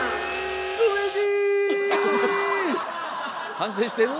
反省してる？